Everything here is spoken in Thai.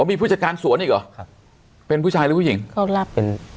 มีผู้จัดการสวนอีกหรอเป็นผู้ชายหรือผู้หญิง